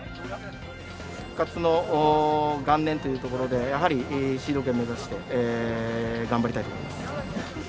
復活の元年というところで、やはりシード権目指して頑張りたいと思います。